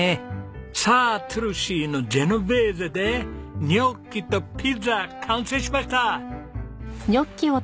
さあトゥルシーのジェノベーゼでニョッキとピザ完成しました！